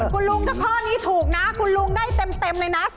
คุณลุงถ้าข้อนี้ถูกนะคุณลุงได้เต็มเลยนะ